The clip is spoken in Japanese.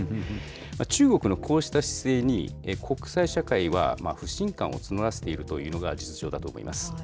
中国のこうした姿勢に、国際社会は不信感を募らせているというのが実情だと思います。